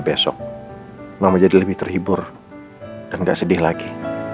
mau menjadi lebih terhibur dan enggak sedih lagi